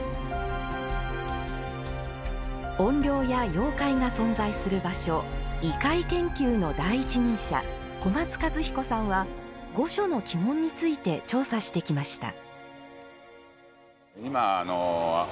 怨霊や妖怪が存在する場所異界研究の第一人者小松和彦さんは御所の鬼門について調査してきました。